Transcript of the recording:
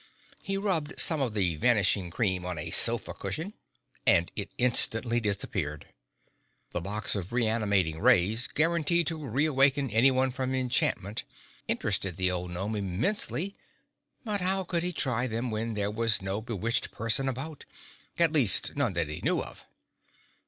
He rubbed some of the Vanishing Cream on a sofa cushion and it instantly disappeared. The box of Re animating Rays, guaranteed to reawaken anyone from enchantment, interested the old gnome immensely, but how could he try them when there was no bewitched person about—at least none that he knew of?